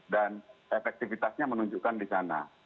dan efektifitasnya menunjukkan di sana